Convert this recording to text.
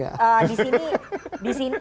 jadi disini disini